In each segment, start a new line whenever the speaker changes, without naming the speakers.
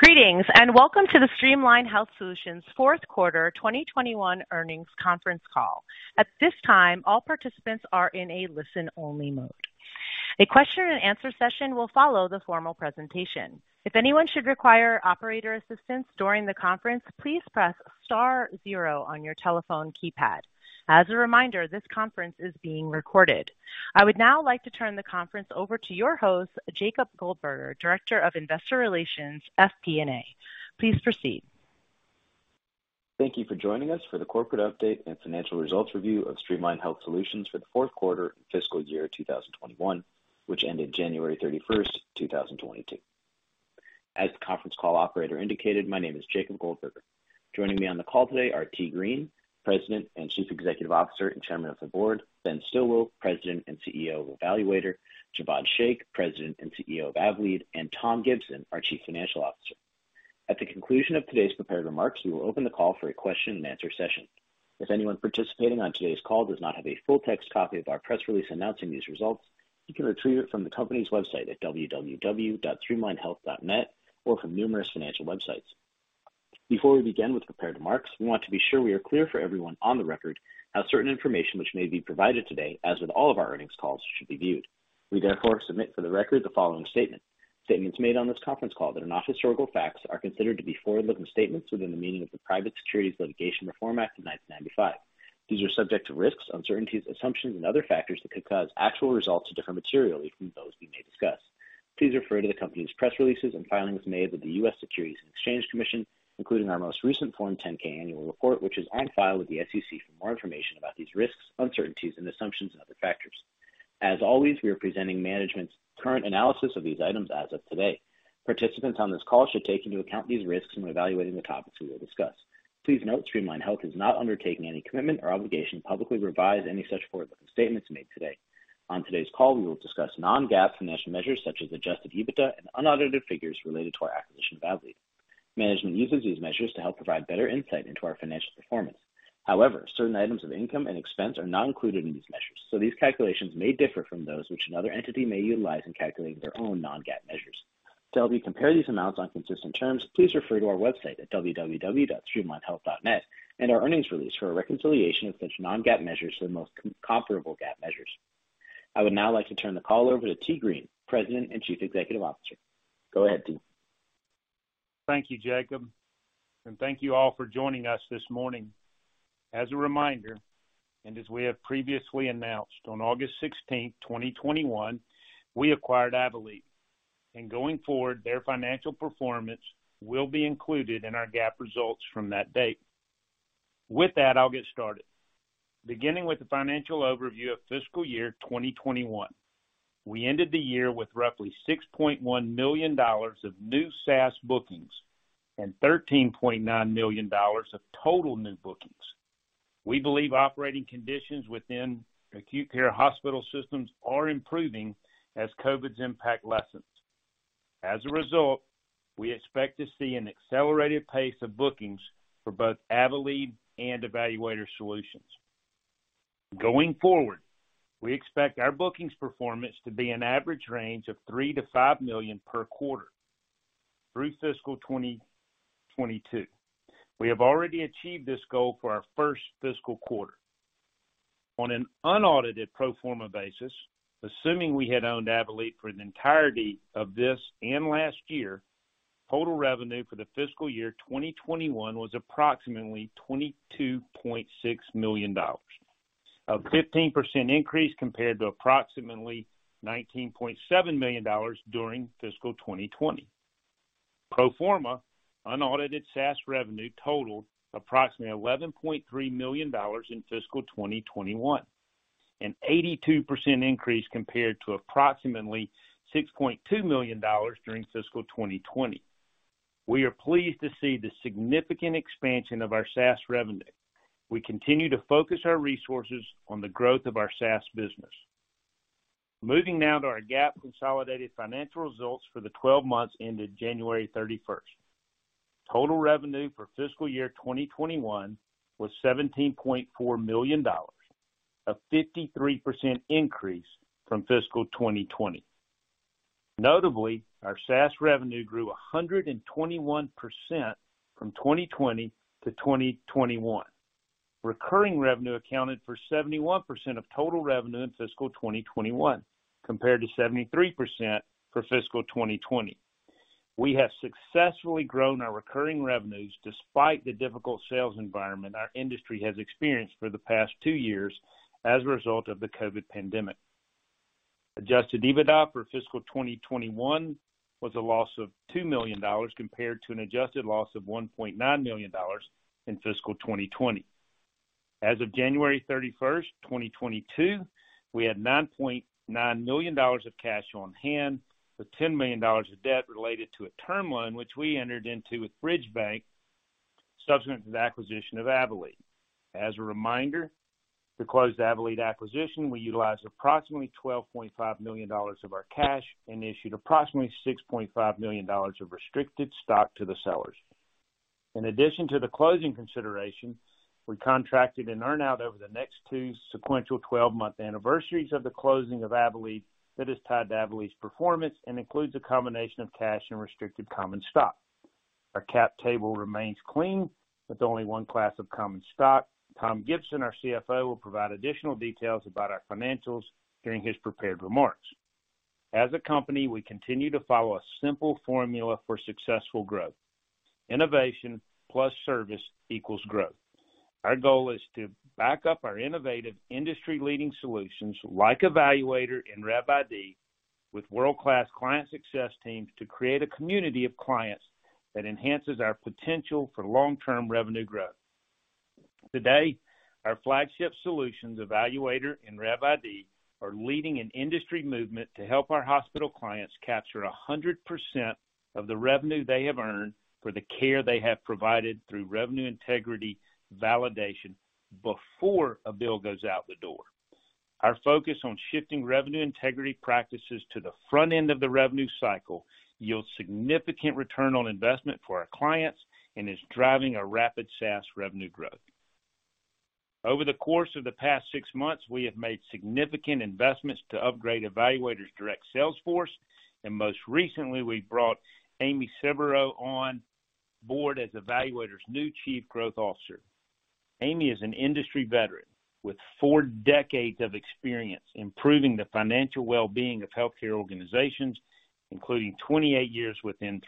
Greetings, and welcome to the Streamline Health Solutions fourth quarter 2021 earnings conference call. At this time, all participants are in a listen-only mode. A question and answer session will follow the formal presentation. If anyone should require operator assistance during the conference, please press star zero on your telephone keypad. As a reminder, this conference is being recorded. I would now like to turn the conference over to your host, Jacob Goldberger, Director of Investor Relations, FP&A. Please proceed.
Thank you for joining us for the corporate update and financial results review of Streamline Health Solutions for the fourth quarter fiscal year 2021, which ended January 31st, 2022. As the conference call operator indicated, my name is Jacob Goldberger. Joining me on the call today are Tee Green, President and Chief Executive Officer and Chairman of the Board, Ben Stilwill, President and CEO of eValuator, Jawad Shaikh, President and CEO of Avelead, and Tom Gibson, our Chief Financial Officer. At the conclusion of today's prepared remarks, we will open the call for a question and answer session. If anyone participating on today's call does not have a full text copy of our press release announcing these results, you can retrieve it from the company's website at www.streamlinehealth.net or from numerous financial websites. Before we begin with prepared remarks, we want to be sure we are clear for everyone on the record how certain information which may be provided today, as with all of our earnings calls, should be viewed. We therefore submit for the record the following statement. Statements made on this conference call that are not historical facts are considered to be forward-looking statements within the meaning of the Private Securities Litigation Reform Act of 1995. These are subject to risks, uncertainties, assumptions, and other factors that could cause actual results to differ materially from those we may discuss. Please refer to the company's press releases and filings made with the U.S. Securities and Exchange Commission, including our most recent Form 10-K annual report, which is on file with the SEC for more information about these risks, uncertainties, and assumptions and other factors. As always, we are presenting management's current analysis of these items as of today. Participants on this call should take into account these risks when evaluating the topics we will discuss. Please note, Streamline Health has not undertaken any commitment or obligation to publicly revise any such forward-looking statements made today. On today's call, we will discuss non-GAAP financial measures such as adjusted EBITDA and unaudited figures related to our acquisition of Avelead. Management uses these measures to help provide better insight into our financial performance. However, certain items of income and expense are not included in these measures, so these calculations may differ from those which another entity may utilize in calculating their own non-GAAP measures. To help you compare these amounts on consistent terms, please refer to our website at www.streamlinehealth.net and our earnings release for a reconciliation of such non-GAAP measures to the most comparable GAAP measures. I would now like to turn the call over to Tee Green, President and Chief Executive Officer. Go ahead, Tee.
Thank you, Jacob, and thank you all for joining us this morning. As a reminder, and as we have previously announced on August 16th, 2021, we acquired Avelead, and going forward, their financial performance will be included in our GAAP results from that date. With that, I'll get started. Beginning with the financial overview of fiscal year 2021. We ended the year with roughly $6.1 million of new SaaS bookings and $13.9 million of total new bookings. We believe operating conditions within acute care hospital systems are improving as COVID's impact lessens. As a result, we expect to see an accelerated pace of bookings for both Avelead and eValuator Solutions. Going forward, we expect our bookings performance to be an average range of $3 million-$5 million per quarter through fiscal 2022. We have already achieved this goal for our first fiscal quarter. On an unaudited pro forma basis, assuming we had owned Avelead for the entirety of this and last year, total revenue for the fiscal year 2021 was approximately $22.6 million, a 15% increase compared to approximately $19.7 million during fiscal 2020. Pro forma unaudited SaaS revenue totaled approximately $11.3 million in fiscal 2021, an 82% increase compared to approximately $6.2 million during fiscal 2020. We are pleased to see the significant expansion of our SaaS revenue. We continue to focus our resources on the growth of our SaaS business. Moving now to our GAAP consolidated financial results for the 12 months ended January 31st. Total revenue for fiscal year 2021 was $17.4 million, a 53% increase from fiscal 2020. Notably, our SaaS revenue grew 121% from 2020 to 2021. Recurring revenue accounted for 71% of total revenue in fiscal 2021, compared to 73% for fiscal 2020. We have successfully grown our recurring revenues despite the difficult sales environment our industry has experienced for the past two years as a result of the COVID pandemic. Adjusted EBITDA for fiscal 2021 was a loss of $2 million compared to an adjusted loss of $1.9 million in fiscal 2020. As of January 31st, 2022, we had $9.9 million of cash on hand with $10 million of debt related to a term loan which we entered into with Bridge Bank subsequent to the acquisition of Avelead. As a reminder, to close the Avelead acquisition, we utilized approximately $12.5 million of our cash and issued approximately $6.5 million of restricted stock to the sellers. In addition to the closing consideration, we contracted an earn-out over the next two sequential 12-month anniversaries of the closing of Avelead that is tied to Avelead's performance and includes a combination of cash and restricted common stock. Our cap table remains clean, with only one class of common stock. Tom Gibson, our CFO, will provide additional details about our financials during his prepared remarks. As a company, we continue to follow a simple formula for successful growth. Innovation plus service equals growth. Our goal is to back up our innovative industry-leading solutions like eValuator and RevID with world-class client success teams to create a community of clients that enhances our potential for long-term revenue growth. Today, our flagship solutions, eValuator and RevID, are leading an industry movement to help our hospital clients capture 100% of the revenue they have earned for the care they have provided through revenue integrity validation before a bill goes out the door. Our focus on shifting revenue integrity practices to the front end of the revenue cycle yields significant return on investment for our clients and is driving a rapid SaaS revenue growth. Over the course of the past six months, we have made significant investments to upgrade eValuator's direct sales force, and most recently, we brought Amy Sebero on board as eValuator's new chief growth officer. Amy is an industry veteran with four decades of experience improving the financial well-being of healthcare organizations, including 28 years with nThrive.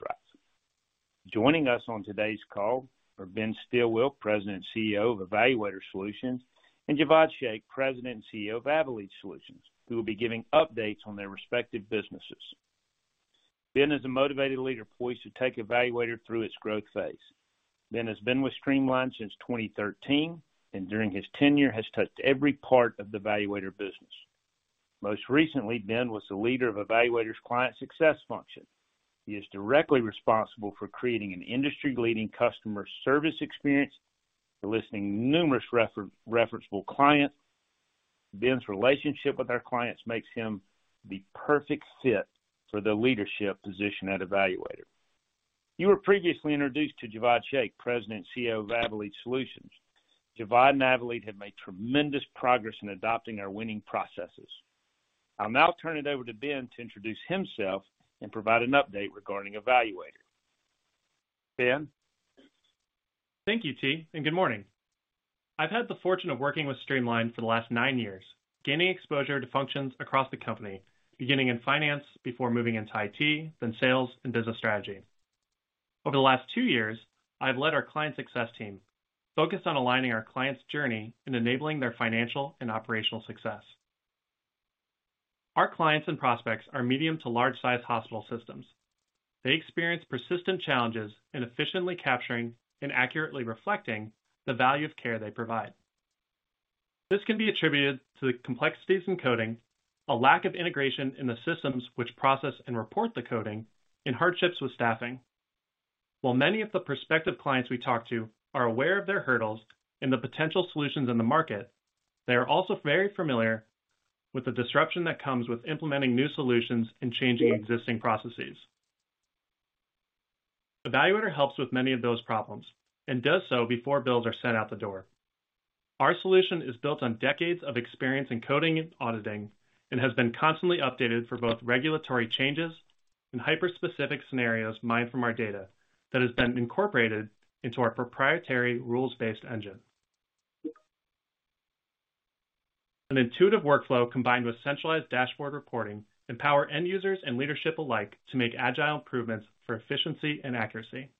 Joining us on today's call are Ben Stilwill, President and CEO of eValuator Solutions, and Jawad Shaikh, President and CEO of Avelead Solutions, who will be giving updates on their respective businesses. Ben is a motivated leader poised to take eValuator through its growth phase. Ben has been with Streamline since 2013, and during his tenure has touched every part of the eValuator business. Most recently, Ben was the leader of eValuator's client success function. He is directly responsible for creating an industry-leading customer service experience, enlisting numerous referenceable clients. Ben's relationship with our clients makes him the perfect fit for the leadership position at eValuator. You were previously introduced to Jawad Shaikh, President and CEO of Avelead Solutions. Jawad and Avelead have made tremendous progress in adopting our winning processes. I'll now turn it over to Ben to introduce himself and provide an update regarding eValuator. Ben?
Thank you, Tee, and good morning. I've had the fortune of working with Streamline for the last nine years, gaining exposure to functions across the company, beginning in finance before moving into IT, then sales and business strategy. Over the last two years, I've led our client success team, focused on aligning our clients' journey and enabling their financial and operational success. Our clients and prospects are medium to large-size hospital systems. They experience persistent challenges in efficiently capturing and accurately reflecting the value of care they provide. This can be attributed to the complexities in coding, a lack of integration in the systems which process and report the coding, and hardships with staffing. While many of the prospective clients we talk to are aware of their hurdles and the potential solutions in the market, they are also very familiar with the disruption that comes with implementing new solutions and changing existing processes. eValuator helps with many of those problems and does so before bills are sent out the door. Our solution is built on decades of experience in coding and auditing and has been constantly updated for both regulatory changes and hyper-specific scenarios mined from our data that has been incorporated into our proprietary rules-based engine. An intuitive workflow combined with centralized dashboard reporting empower end users and leadership alike to make agile improvements for efficiency and accuracy.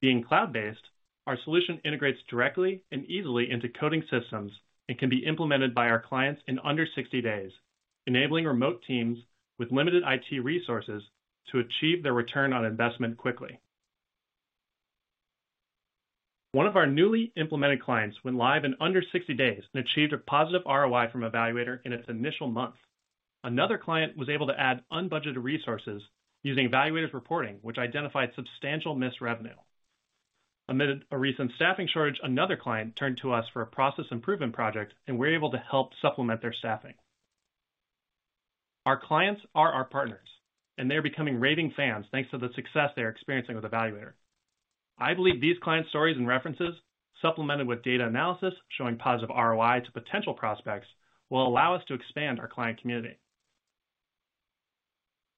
Being cloud-based, our solution integrates directly and easily into coding systems and can be implemented by our clients in under 60 days, enabling remote teams with limited IT resources to achieve their return on investment quickly. One of our newly implemented clients went live in under 60 days and achieved a positive ROI from eValuator in its initial month. Another client was able to add unbudgeted resources using eValuator's reporting, which identified substantial missed revenue. Amid a recent staffing shortage, another client turned to us for a process improvement project, and we were able to help supplement their staffing. Our clients are our partners, and they're becoming raving fans thanks to the success they are experiencing with eValuator. I believe these client stories and references, supplemented with data analysis showing positive ROI to potential prospects, will allow us to expand our client community.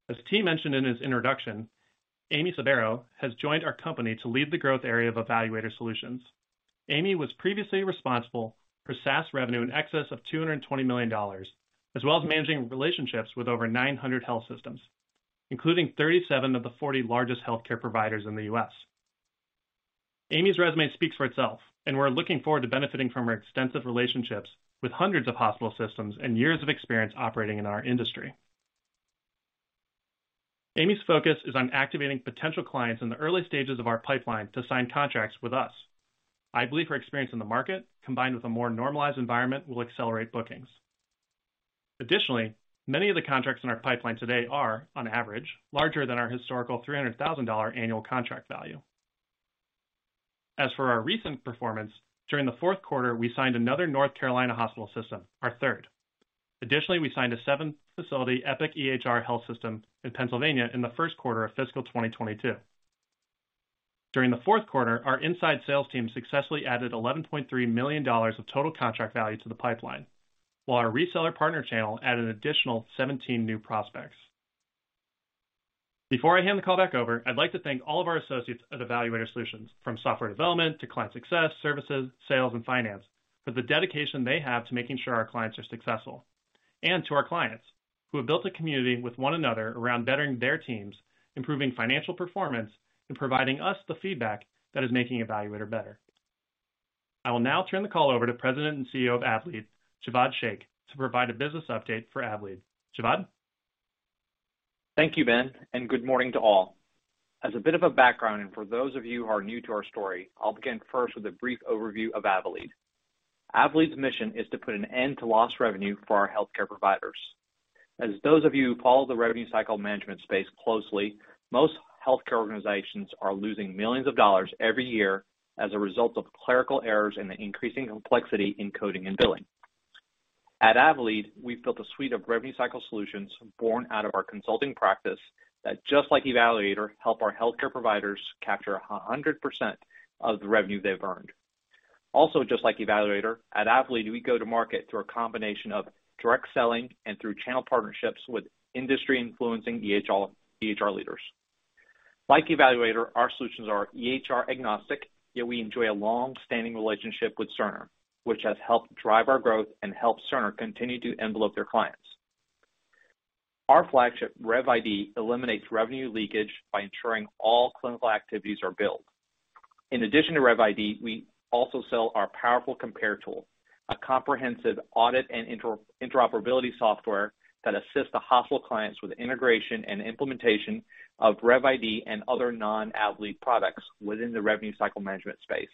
As Tee mentioned in his introduction, Amy Sebero has joined our company to lead the growth area of eValuator Solutions. Amy was previously responsible for SaaS revenue in excess of $220 million, as well as managing relationships with over 900 health systems, including 37 of the 40 largest healthcare providers in the U.S. Amy's resume speaks for itself, and we're looking forward to benefiting from her extensive relationships with hundreds of hospital systems and years of experience operating in our industry. Amy's focus is on activating potential clients in the early stages of our pipeline to sign contracts with us. I believe her experience in the market, combined with a more normalized environment, will accelerate bookings. Additionally, many of the contracts in our pipeline today are, on average, larger than our historical $300,000 annual contract value. As for our recent performance, during the fourth quarter, we signed another North Carolina hospital system, our third. Additionally, we signed a seventh facility, Epic EHR health system in Pennsylvania in the first quarter of fiscal 2022. During the fourth quarter, our inside sales team successfully added $11.3 million of total contract value to the pipeline, while our reseller partner channel added an additional 17 new prospects. Before I hand the call back over, I'd like to thank all of our associates at eValuator Solutions, from software development to client success, services, sales, and finance, for the dedication they have to making sure our clients are successful. To our clients who have built a community with one another around bettering their teams, improving financial performance, and providing us the feedback that is making eValuator better. I will now turn the call over to President and CEO of Avelead, Jawad Shaikh, to provide a business update for Avelead. Jawad?
Thank you, Ben, and good morning to all. As a bit of a background, and for those of you who are new to our story, I'll begin first with a brief overview of Avelead. Avelead's mission is to put an end to lost revenue for our healthcare providers. As those of you who follow the revenue cycle management space closely, most healthcare organizations are losing millions of dollars every year as a result of clerical errors and the increasing complexity in coding and billing. At Avelead, we've built a suite of revenue cycle solutions born out of our consulting practice that, just like eValuator, help our healthcare providers capture 100% of the revenue they've earned. Also, just like eValuator, at Avelead, we go to market through a combination of direct selling and through channel partnerships with industry-influencing EHR leaders. Like eValuator, our solutions are EHR-agnostic, yet we enjoy a long-standing relationship with Cerner, which has helped drive our growth and help Cerner continue to enable their clients. Our flagship RevID eliminates revenue leakage by ensuring all clinical activities are billed. In addition to RevID, we also sell our powerful Compare tool, a comprehensive audit and interoperability software that assists the hospital clients with integration and implementation of RevID and other non-Avelead products within the revenue cycle management space.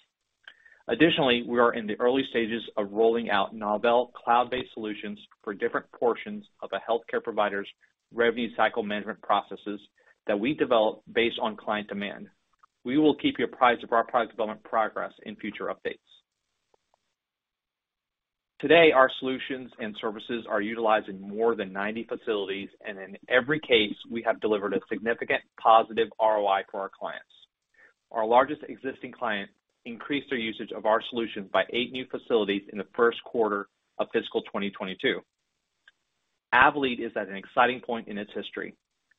Additionally, we are in the early stages of rolling out novel cloud-based solutions for different portions of a healthcare provider's revenue cycle management processes that we develop based on client demand. We will keep you apprised of our product development progress in future updates. Today, our solutions and services are utilized in more than 90 facilities, and in every case, we have delivered a significant positive ROI for our clients. Our largest existing client increased their usage of our solutions by eight new facilities in the first quarter of fiscal 2022. Avelead is at an exciting point in its history.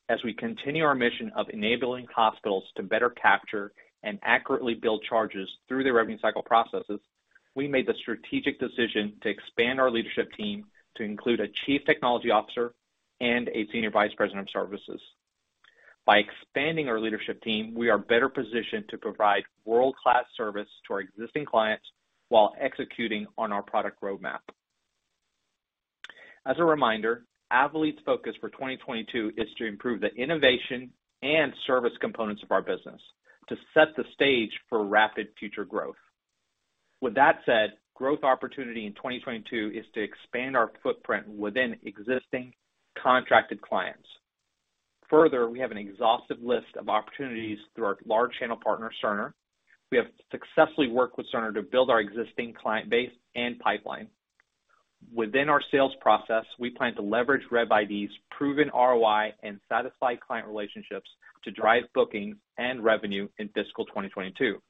As we continue our mission of enabling hospitals to better capture and accurately bill charges through their revenue cycle processes, we made the strategic decision to expand our leadership team to include a chief technology officer and a senior vice president of services. By expanding our leadership team, we are better positioned to provide world-class service to our existing clients while executing on our product roadmap. As a reminder, Avelead's focus for 2022 is to improve the innovation and service components of our business to set the stage for rapid future growth. With that said, growth opportunity in 2022 is to expand our footprint within existing contracted clients. Further, we have an exhaustive list of opportunities through our large channel partner, Cerner. We have successfully worked with Cerner to build our existing client base and pipeline. Within our sales process, we plan to leverage RevID's proven ROI and satisfied client relationships to drive bookings and revenue in fiscal 2022.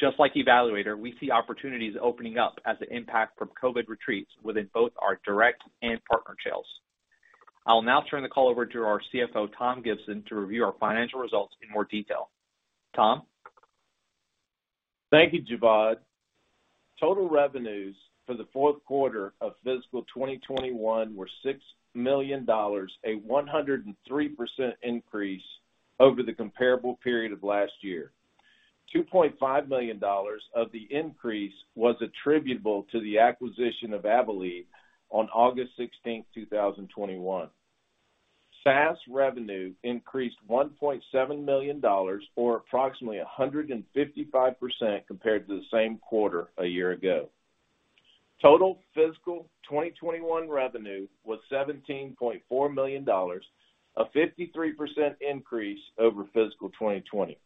Just like eValuator, we see opportunities opening up as the impact from COVID retreats within both our direct and partner channels. I will now turn the call over to our CFO, Tom Gibson, to review our financial results in more detail. Tom?
Thank you, Jawad. Total revenues for the fourth quarter of fiscal 2021 were $6 million, a 103% increase over the comparable period of last year. $2.5 million of the increase was attributable to the acquisition of Avelead on August 16th, 2021. SaaS revenue increased $1.7 million, or approximately 155% compared to the same quarter a year ago. Total fiscal 2021 revenue was $17.4 million, a 53% increase over fiscal 2020.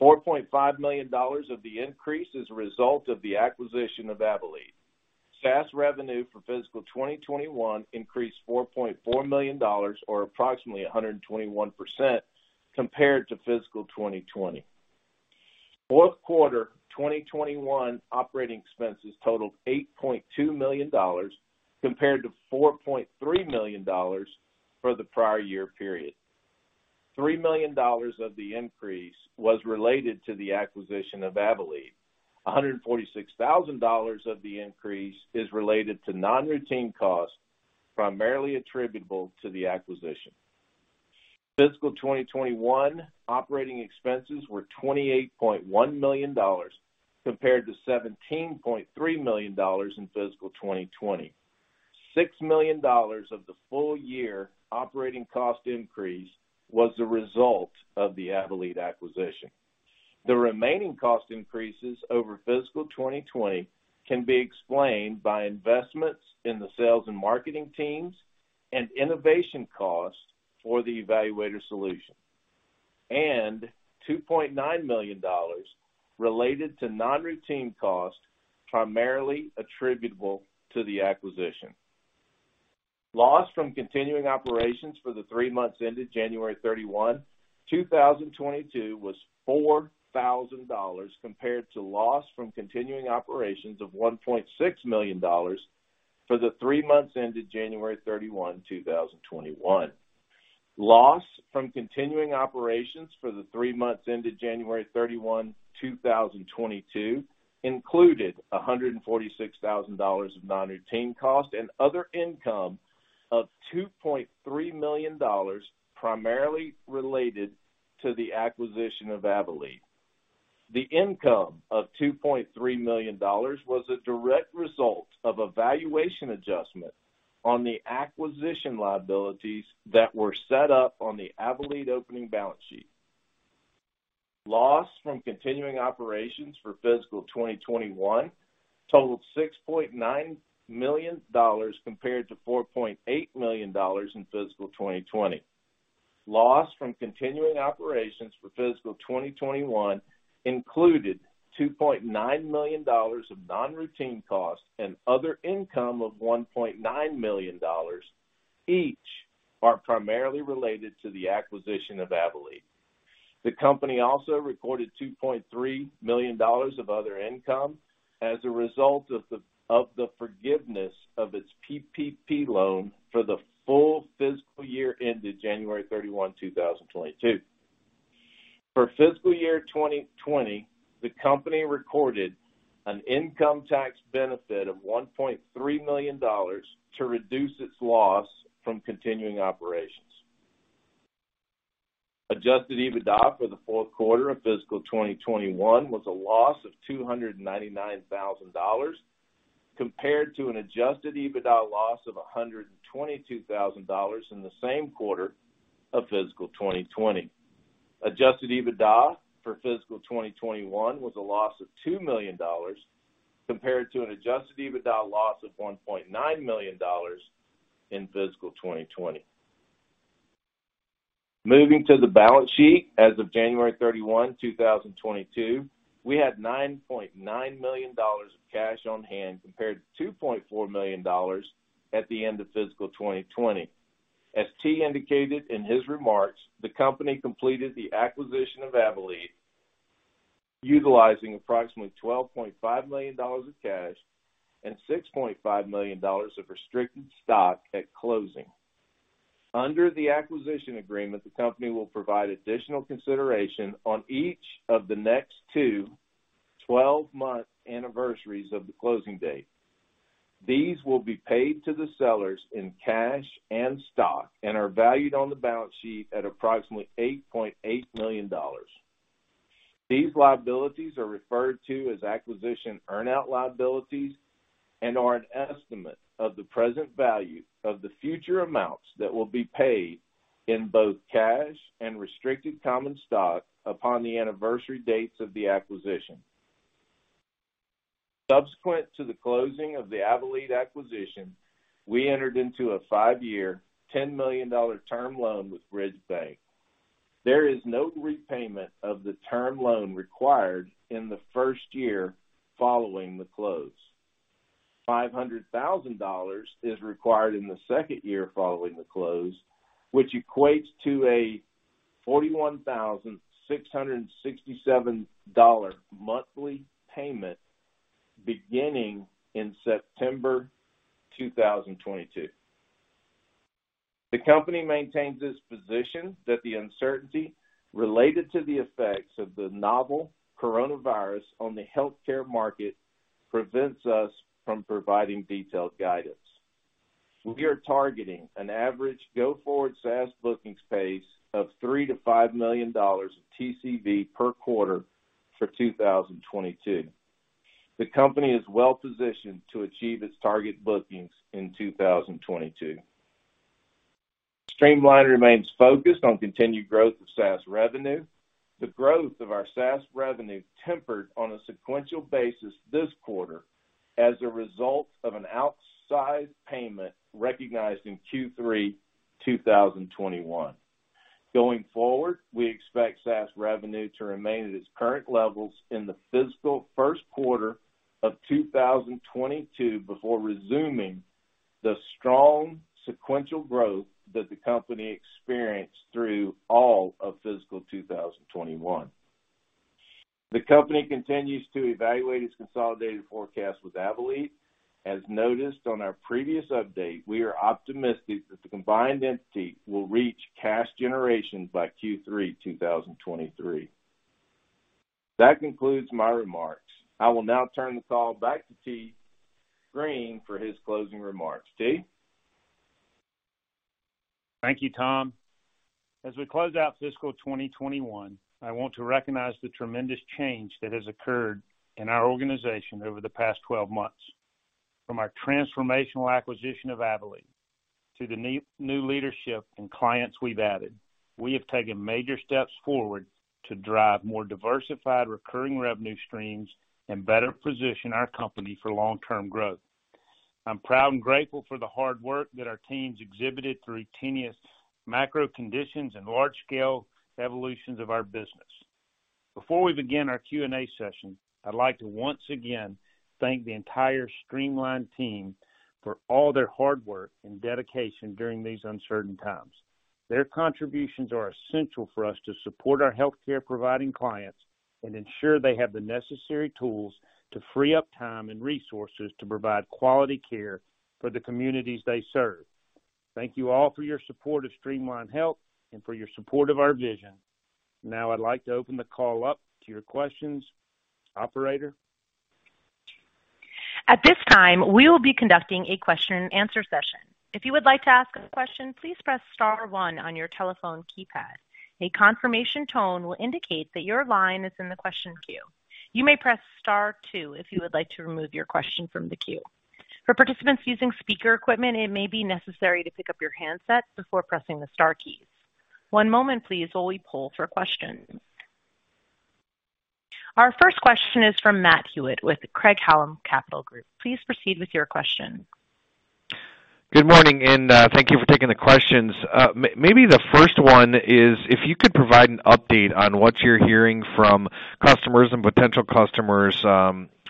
$4.5 million of the increase is a result of the acquisition of Avelead. SaaS revenue for fiscal 2021 increased $4.4 million, or approximately 121% compared to fiscal 2020. Fourth quarter 2021 operating expenses totaled $8.2 million compared to $4.3 million for the prior year period. $3 million of the increase was related to the acquisition of Avelead. $146,000 of the increase is related to non-routine costs, primarily attributable to the acquisition. Fiscal 2021 operating expenses were $28.1 million compared to $17.3 million in fiscal 2020. $6 million of the full year operating cost increase was the result of the Avelead acquisition. The remaining cost increases over fiscal 2020 can be explained by investments in the sales and marketing teams and innovation costs for the eValuator solution. $2.9 million related to non-routine costs primarily attributable to the acquisition. Loss from continuing operations for the three months ended January 31, 2022 was $4,000 compared to loss from continuing operations of $1.6 million for the three months ended January 31, 2021. Loss from continuing operations for the three months ended January 31, 2022 included $146,000 of non-routine costs and other income of $2.3 million, primarily related to the acquisition of Avelead. The income of $2.3 million was a direct result of a valuation adjustment on the acquisition liabilities that were set up on the Avelead opening balance sheet. Loss from continuing operations for fiscal 2021 totaled $6.9 million compared to $4.8 million in fiscal 2020. Loss from continuing operations for fiscal 2021 included $2.9 million of non-routine costs and other income of $1.9 million. Each are primarily related to the acquisition of Avelead. The company also recorded $2.3 million of other income as a result of the forgiveness of its PPP loan for the full fiscal year ended January 31, 2022. For fiscal year 2020, the company recorded an income tax benefit of $1.3 million to reduce its loss from continuing operations. Adjusted EBITDA for the fourth quarter of fiscal 2021 was a loss of $299,000 compared to an adjusted EBITDA loss of $122,000 in the same quarter of fiscal 2020. Adjusted EBITDA for fiscal 2021 was a loss of $2 million compared to an adjusted EBITDA loss of $1.9 million in fiscal 2020. Moving to the balance sheet. As of January 31, 2022, we had $9.9 million of cash on hand compared to $2.4 million at the end of fiscal 2020. As Tee indicated in his remarks, the company completed the acquisition of Avelead, utilizing approximately $12.5 million of cash and $6.5 million of restricted stock at closing. Under the acquisition agreement, the company will provide additional consideration on each of the next two twelve-month anniversaries of the closing date. These will be paid to the sellers in cash and stock and are valued on the balance sheet at approximately $8.8 million. These liabilities are referred to as acquisition earn-out liabilities and are an estimate of the present value of the future amounts that will be paid in both cash and restricted common stock upon the anniversary dates of the acquisition. Subsequent to the closing of the Avelead acquisition, we entered into a five-year, $10 million term loan with Bridge Bank. There is no repayment of the term loan required in the first year following the close. $500,000 is required in the second year following the close, which equates to a $41,667 monthly payment beginning in September 2022. The company maintains its position that the uncertainty related to the effects of the novel coronavirus on the healthcare market prevents us from providing detailed guidance. We are targeting an average go-forward SaaS bookings pace of $3 million-$5 million of TCV per quarter for 2022. The company is well positioned to achieve its target bookings in 2022. Streamline remains focused on continued growth of SaaS revenue. The growth of our SaaS revenue tempered on a sequential basis this quarter as a result of an outsized payment recognized in Q3, 2021. Going forward, we expect SaaS revenue to remain at its current levels in the fiscal first quarter of 2022 before resuming the strong sequential growth that the company experienced through all of fiscal 2021. The company continues to evaluate its consolidated forecast with Avelead. As noted on our previous update, we are optimistic that the combined entity will reach cash generation by Q3, 2023. That concludes my remarks. I will now turn the call back to Tee Green for his closing remarks. Tee?
Thank you, Tom. As we close out fiscal 2021, I want to recognize the tremendous change that has occurred in our organization over the past 12 months. From our transformational acquisition of Avelead to the new leadership and clients we've added. We have taken major steps forward to drive more diversified recurring revenue streams and better position our company for long-term growth. I'm proud and grateful for the hard work that our teams exhibited through tenuous macro conditions and large scale evolutions of our business. Before we begin our Q&A session, I'd like to once again thank the entire Streamline team for all their hard work and dedication during these uncertain times. Their contributions are essential for us to support our healthcare provider clients and ensure they have the necessary tools to free up time and resources to provide quality care for the communities they serve. Thank you all for your support of Streamline Health and for your support of our vision. Now I'd like to open the call up to your questions. Operator?
At this time, we will be conducting a question-and-answer session. If you would like to ask a question, please press star one on your telephone keypad. A confirmation tone will indicate that your line is in the question queue. You may press star two if you would like to remove your question from the queue. For participants using speaker equipment, it may be necessary to pick up your handset before pressing the star keys. One moment please while we poll for questions. Our first question is from Matt Hewitt with Craig-Hallum Capital Group. Please proceed with your question.
Good morning, and thank you for taking the questions. Maybe the first one is if you could provide an update on what you're hearing from customers and potential customers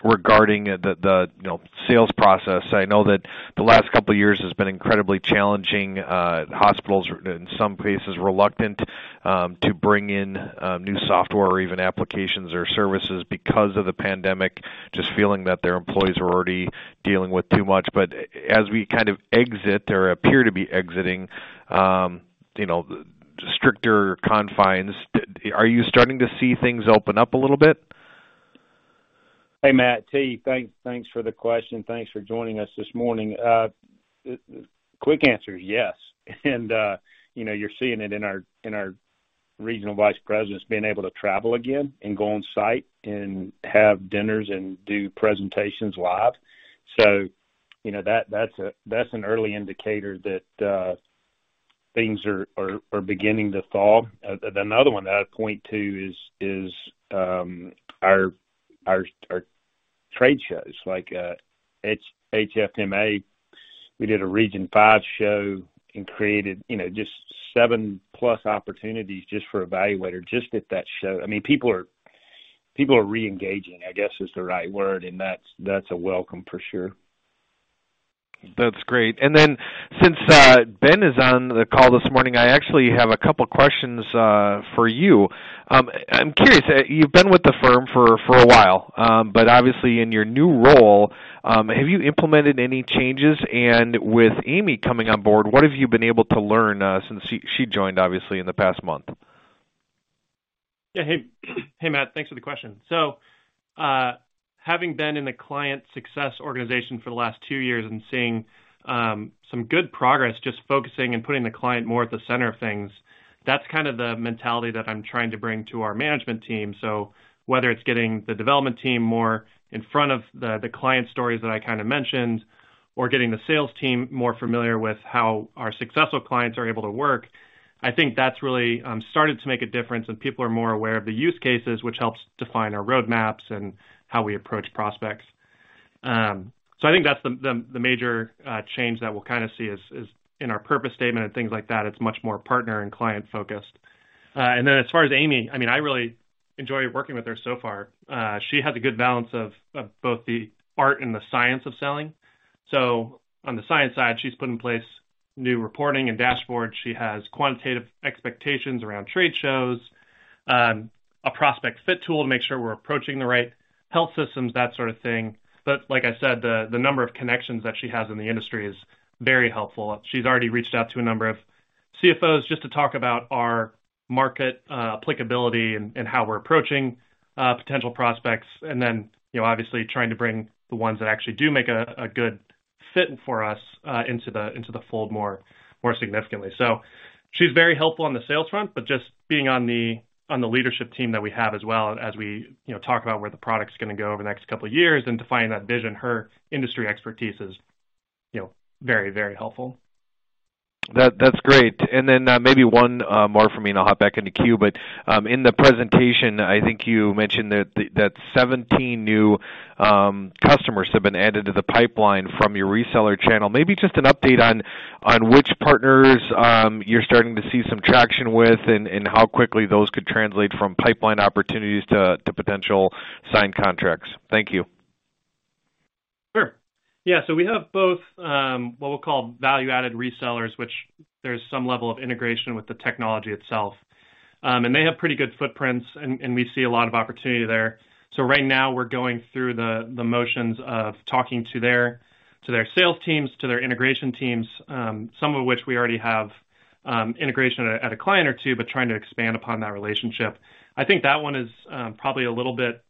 regarding the, you know, sales process. I know that the last couple of years has been incredibly challenging, hospitals in some cases reluctant to bring in new software or even applications or services because of the pandemic, just feeling that their employees were already dealing with too much. As we kind of exit or appear to be exiting, you know, stricter confines, are you starting to see things open up a little bit?
Hey, Matt. Tee, thanks for the question. Thanks for joining us this morning. Quick answer is yes. You know, you're seeing it in our regional vice presidents being able to travel again and go on site and have dinners and do presentations live. You know, that's an early indicator that things are beginning to thaw. Another one I'd point to is our trade shows like HFMA. We did a region five show and created, you know, just 7+ opportunities just for eValuator, just at that show. I mean, people are reengaging, I guess, is the right word, and that's a welcome for sure.
That's great. Since Ben is on the call this morning, I actually have a couple questions for you. I'm curious, you've been with the firm for a while, but obviously in your new role, have you implemented any changes? With Amy coming on board, what have you been able to learn since she joined, obviously, in the past month?
Yeah. Hey, Matt. Thanks for the question. Having been in the client success organization for the last two years and seeing some good progress, just focusing and putting the client more at the center of things, that's kind of the mentality that I'm trying to bring to our management team. Whether it's getting the development team more in front of the client stories that I kind of mentioned or getting the sales team more familiar with how our successful clients are able to work, I think that's really started to make a difference, and people are more aware of the use cases, which helps define our roadmaps and how we approach prospects. I think that's the major change that we'll kind of see is in our purpose statement and things like that. It's much more partner and client focused. As far as Amy, I mean, I really enjoy working with her so far. She has a good balance of both the art and the science of selling. On the science side, she's put in place new reporting and dashboards. She has quantitative expectations around trade shows, a prospect fit tool to make sure we're approaching the right health systems, that sort of thing. Like I said, the number of connections that she has in the industry is very helpful. She's already reached out to a number of CFOs just to talk about our market applicability and how we're approaching potential prospects, and then, you know, obviously trying to bring the ones that actually do make a good fit for us into the fold more significantly. She's very helpful on the sales front, but just being on the leadership team that we have as well as we, you know, talk about where the product is gonna go over the next couple of years and defining that vision, her industry expertise is, you know, very, very helpful.
That's great. Then, maybe one more for me and I'll hop back in the queue. In the presentation, I think you mentioned that 17 new customers have been added to the pipeline from your reseller channel. Maybe just an update on which partners you're starting to see some traction with and how quickly those could translate from pipeline opportunities to potential signed contracts. Thank you.
Sure. Yeah. We have both, what we'll call value-added resellers, which there's some level of integration with the technology itself. They have pretty good footprints and we see a lot of opportunity there. Right now we're going through the motions of talking to their sales teams, to their integration teams, some of which we already have integration at a client or two, but trying to expand upon that relationship. I think that one is probably a little bit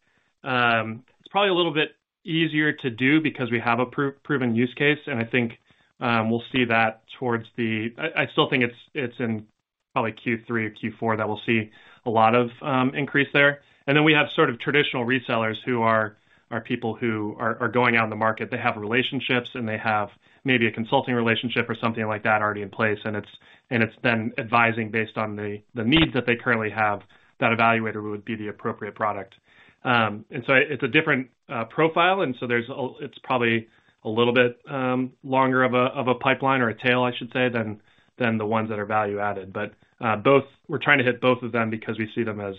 easier to do because we have a proven use case, and I think we'll see that. I still think it's in probably Q3 or Q4 that we'll see a lot of increase there. Then we have sort of traditional resellers who are people who are going out in the market. They have relationships, and they have maybe a consulting relationship or something like that already in place, and it's then advising based on the needs that they currently have, that eValuator would be the appropriate product. And so it's a different profile, and so it's probably a little bit longer of a pipeline or a tail, I should say, than the ones that are value added. Both we're trying to hit both of them because we see them as,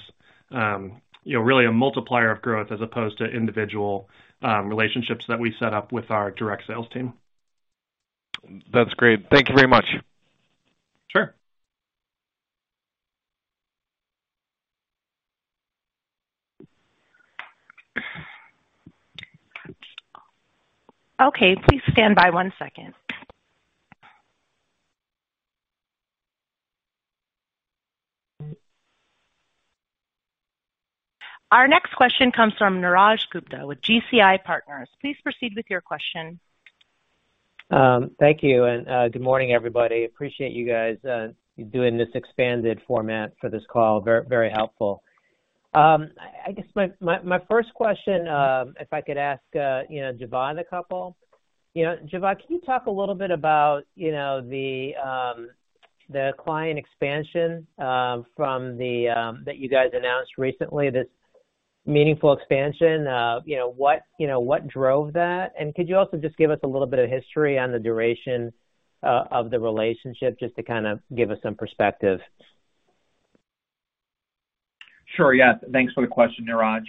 you know, really a multiplier of growth as opposed to individual relationships that we set up with our direct sales team.
That's great. Thank you very much.
Sure.
Okay. Please stand by one second. Our next question comes from Niraj Gupta with GCI Partners. Please proceed with your question.
Thank you. Good morning, everybody. Appreciate you guys doing this expanded format for this call. Very helpful. I guess my first question, if I could ask, you know, Jawad a couple. You know, Jawad, can you talk a little bit about, you know, the client expansion from that you guys announced recently, this meaningful expansion. You know, what drove that? And could you also just give us a little bit of history on the duration of the relationship, just to kind of give us some perspective.
Sure, yeah. Thanks for the question, Niraj.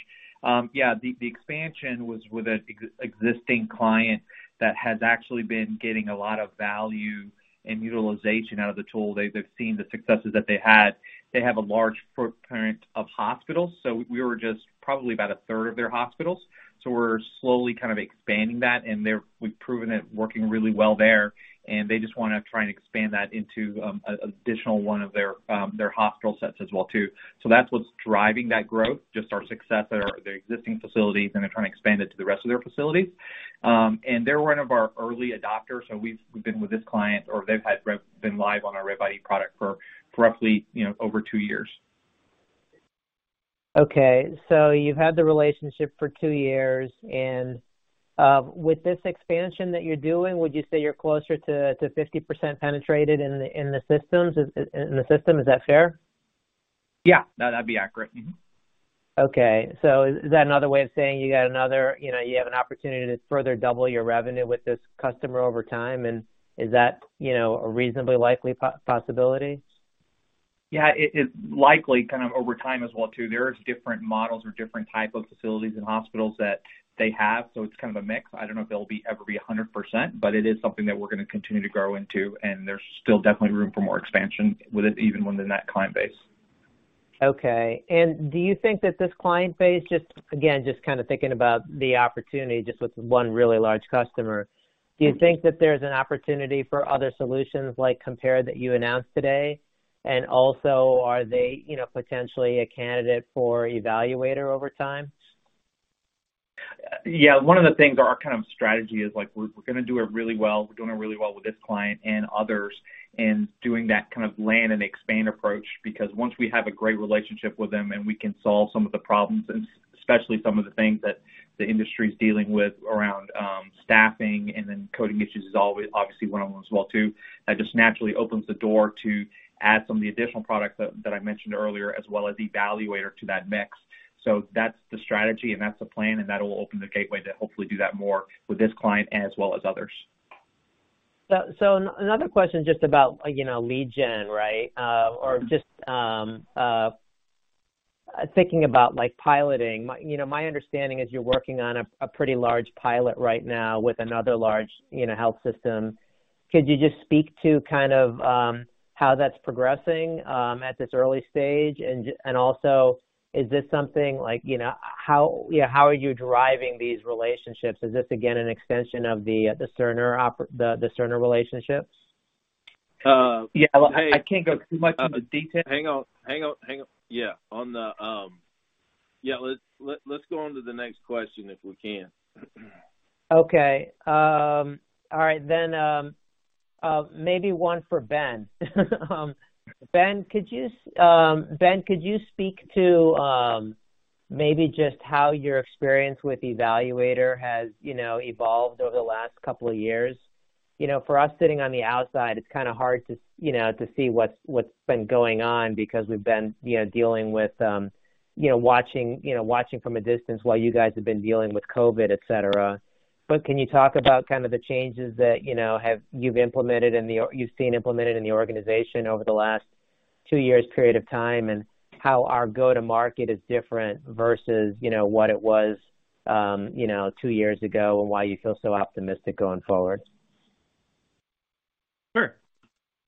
Yeah, the expansion was with an existing client that has actually been getting a lot of value and utilization out of the tool. They've seen the successes that they had. They have a large footprint of hospitals, so we were just probably about a third of their hospitals. We're slowly kind of expanding that. We've proven it working really well there, and they just wanna try and expand that into an additional one of their their hospital sets as well too. That's what's driving that growth, just our success at their existing facilities, and they're trying to expand it to the rest of their facilities. They're one of our early adopters, so we've been with this client, or they've been live on our RevID product for roughly, you know, over two years.
You've had the relationship for two years. With this expansion that you're doing, would you say you're closer to 50% penetrated in the systems, in the system? Is that fair?
Yeah, that'd be accurate. Mm-hmm.
Okay. Is that another way of saying you got another, you know, you have an opportunity to further double your revenue with this customer over time? Is that, you know, a reasonably likely possibility?
Yeah, it is likely kind of over time as well too. There's different models or different type of facilities and hospitals that they have, so it's kind of a mix. I don't know if they'll be, ever be 100%, but it is something that we're gonna continue to grow into, and there's still definitely room for more expansion with it, even within that client base.
Okay. Do you think that this client base, just again, just kind of thinking about the opportunity just with one really large customer, do you think that there's an opportunity for other solutions like Compare that you announced today? Also, are they, you know, potentially a candidate for eValuator over time?
Yeah. One of the things or our kind of strategy is like, we're gonna do it really well. We're doing really well with this client and others, and doing that kind of land and expand approach. Because once we have a great relationship with them and we can solve some of the problems, and especially some of the things that the industry is dealing with around staffing and then coding issues is always obviously one of them as well too, that just naturally opens the door to add some of the additional products that I mentioned earlier, as well as eValuator to that mix. So that's the strategy, and that's the plan, and that'll open the gateway to hopefully do that more with this client as well as others.
another question just about, you know, lead gen, right? or just thinking about, like, piloting. My, you know, my understanding is you're working on a pretty large pilot right now with another large, you know, health system. Could you just speak to kind of how that's progressing at this early stage? also, is this something like, you know, how are you driving these relationships? Is this again an extension of the Cerner relationships?
Uh. Yeah. Well, I can't go too much into detail.
Hang on. Yeah. Yeah, let's go on to the next question, if we can.
Maybe one for Ben. Ben, could you speak to maybe just how your experience with eValuator has, you know, evolved over the last couple of years? You know, for us sitting on the outside, it's kinda hard to, you know, to see what's been going on because we've been, you know, dealing with, you know, watching from a distance while you guys have been dealing with COVID, et cetera. But can you talk about kind of the changes that, you know, you've implemented in the organization or you've seen implemented in the organization over the last two years period of time, and how our go-to-market is different versus, you know, what it was, you know, two years ago, and why you feel so optimistic going forward?
Sure.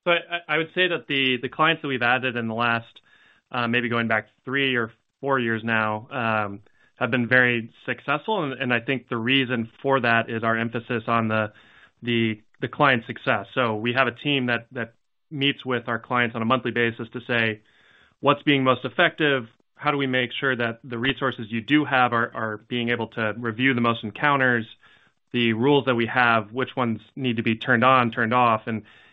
I would say that the clients that we've added in the last maybe going back three or four years now have been very successful. I think the reason for that is our emphasis on the client success. We have a team that meets with our clients on a monthly basis to say, "What's being most effective? How do we make sure that the resources you do have are being able to review the most encounters? The rules that we have, which ones need to be turned on, turned off?"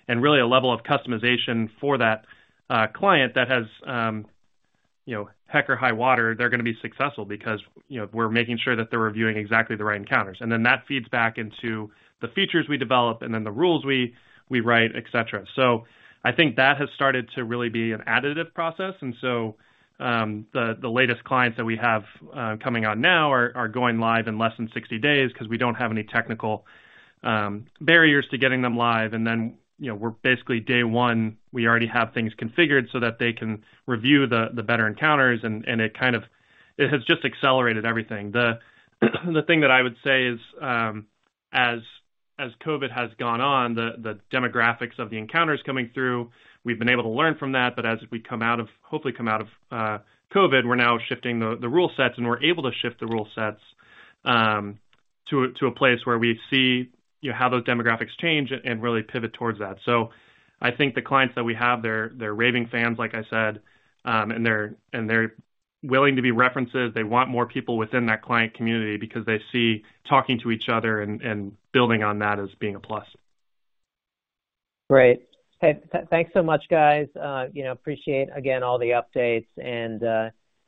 Really a level of customization for that client that has you know, heck or high water, they're gonna be successful because you know, we're making sure that they're reviewing exactly the right encounters. That feeds back into the features we develop and then the rules we write, et cetera. I think that has started to really be an additive process. The latest clients that we have coming on now are going live in less than 60 days 'cause we don't have any technical barriers to getting them live. You know, we're basically day one, we already have things configured so that they can review the better encounters, and it kind of has just accelerated everything. The thing that I would say is as COVID has gone on, the demographics of the encounters coming through. We've been able to learn from that, but as we come out of, hopefully come out of COVID, we're now shifting the rule sets, and we're able to shift the rule sets to a place where we see, you know, how those demographics change and really pivot towards that. I think the clients that we have, they're raving fans, like I said, and they're willing to be references. They want more people within that client community because they see talking to each other and building on that as being a plus.
Great. Hey, thanks so much, guys. You know, appreciate again all the updates and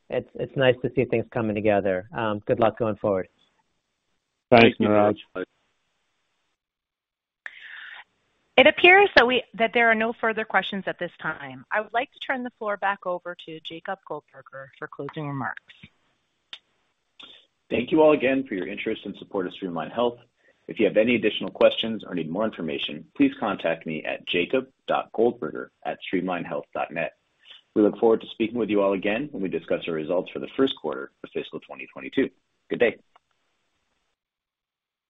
it's nice to see things coming together. Good luck going forward.
Thanks, Niraj.
It appears that there are no further questions at this time. I would like to turn the floor back over to Jacob Goldberger for closing remarks.
Thank you all again for your interest and support of Streamline Health. If you have any additional questions or need more information, please contact me at jacob.goldberger@streamlinehealth.net. We look forward to speaking with you all again when we discuss our results for the first quarter of fiscal 2022. Good day.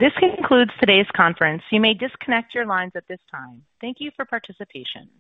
This concludes today's conference. You may disconnect your lines at this time. Thank you for participation.